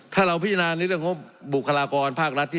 ถ้าเราพิจารณานิดหนึ่งว่าบุคลากรภาครัฐที่